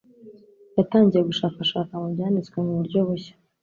Yatangiye gushakashaka mu Byanditswe mu buryo bushya,